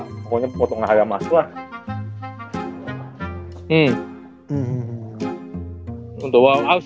pokoknya potongan harga masalah